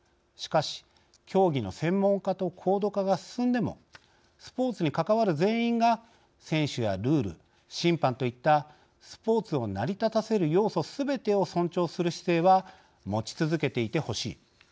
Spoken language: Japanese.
しかし競技の専門化と高度化が進んでもスポーツに関わる全員が選手やルール、審判といったスポーツを成り立たせる要素すべてを尊重する姿勢は持ち続けていてほしい。